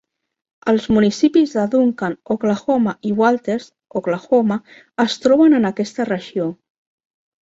Els municipis de Duncan, Oklahoma i Walters (Oklahoma) es troben en aquesta regió.